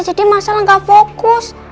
jadi masal gak fokus